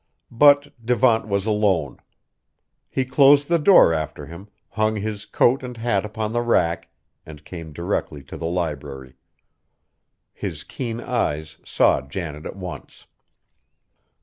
But Devant was alone. He closed the door after him, hung his coat and hat upon the rack, and came directly to the library. His keen eyes saw Janet at once.